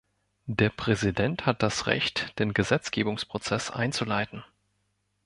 Der Präsident hat das Recht, den Gesetzgebungsprozess einzuleiten.